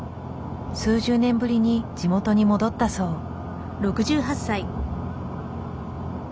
数十年ぶりに地元に戻ったそう。